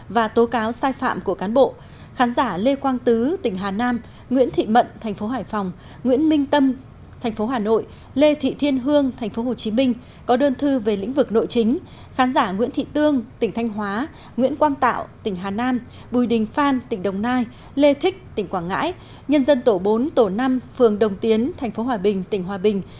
và tố cáo sai phạm của cán bộ